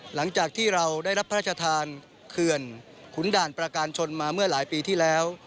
หลังจากที่เราได้รับพระราชทานเขื่อนขุนด่านประการชนมาเมื่อหลายปีที่แล้ว